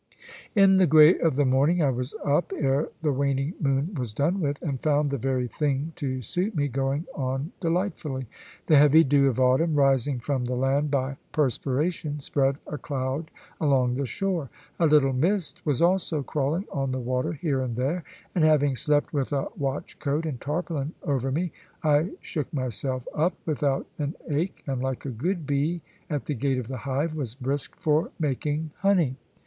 In the grey of the morning, I was up, ere the waning moon was done with, and found the very thing to suit me going on delightfully. The heavy dew of autumn, rising from the land by perspiration, spread a cloud along the shore. A little mist was also crawling on the water here and there; and having slept with a watch coat and tarpaulin over me, I shook myself up, without an ache, and like a good bee at the gate of the hive, was brisk for making honey.